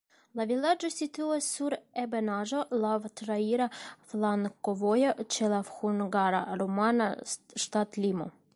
La vilaĝo situas sur ebenaĵo, laŭ traira flankovojo, ĉe la hungara-rumana ŝtatlimo.